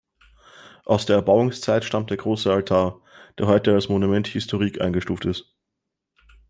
Aus der Erbauungszeit stammt der große Altar, der heute als Monument historique eingestuft ist.